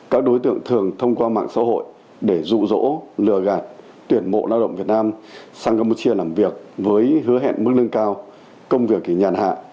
các đối tượng thường thông qua mạng xã hội để rụ rỗ lừa gạt tuyển mộ lao động việt nam sang campuchia làm việc với hứa hẹn mức lương cao công việc nhàn hạ